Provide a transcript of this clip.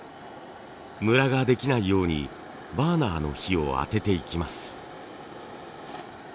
ムラができないようにバーナーの火を当てていきます。